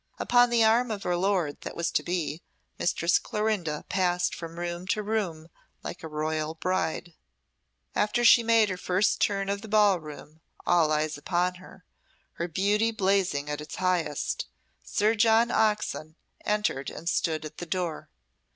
Upon the arm of her lord that was to be, Mistress Clorinda passed from room to room like a royal bride. As she made her first turn of the ballroom, all eyes upon her, her beauty blazing at its highest, Sir John Oxon entered and stood at the door.